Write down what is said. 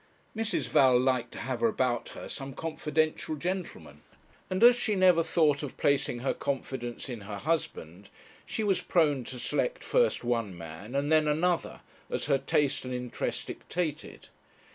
Mrs. Val liked to have about her some confidential gentleman; and as she never thought of placing her confidence in her husband, she was prone to select first one man and then another as her taste and interest dictated.